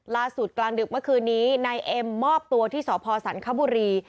กลางดึกเมื่อคืนนี้นายเอ็มมอบตัวที่สพสันคบุรี